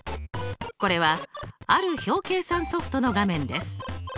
これはある表計算ソフトの画面です。